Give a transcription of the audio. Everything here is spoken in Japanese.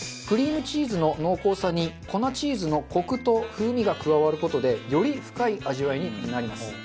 クリームチーズの濃厚さに粉チーズのコクと風味が加わる事でより深い味わいになります。